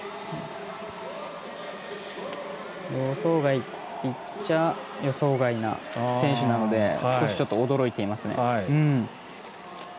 予想外っていっちゃ予想外な選手なので少し驚いていますね。